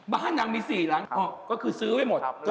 บ้านผ้านำมี๔หลังคือซื้อทั้งหมด